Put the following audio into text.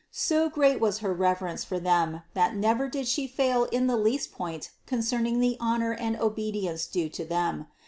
So great was her reverence for them, that never did She fail in the least point concerning the honor and obedience due to them.